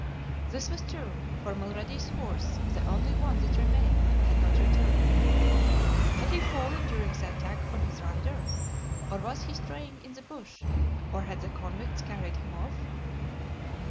This was true, for Mulrady's horse, the only one that remained, had not returned. Had he fallen during the attack on his rider, or was he straying in the bush, or had the convicts carried him off?